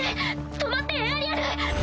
止まってエアリアル！